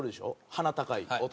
鼻高い男。